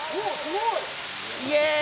イエーイ。